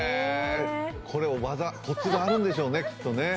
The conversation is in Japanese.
これも技、コツがあるんでしょうね、きっと。